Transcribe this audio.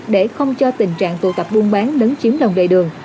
để không cho tình trạng tụ tập buôn bán nấn chiếm lồng đầy đường